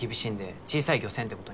小さい漁船ってことに。